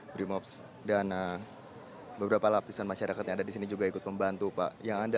brimops dan beberapa lapisan masyarakat yang ada di sini juga ikut membantu pak